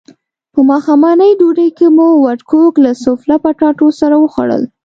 په ماښامنۍ ډوډۍ کې مو وډکوک له سوفله پټاټو سره وخوړل.